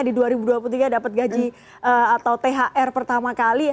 di dua ribu dua puluh tiga dapat gaji atau thr pertama kali